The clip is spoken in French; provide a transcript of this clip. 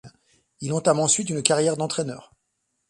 Il entame ensuite une carrière d'entraîneur.